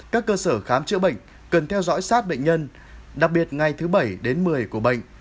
các cơ sở khám chữa bệnh cần theo dõi sát bệnh nhân đặc biệt ngày thứ bảy đến một mươi của bệnh